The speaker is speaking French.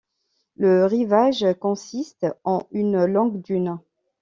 Le rivage consiste en une longue dune.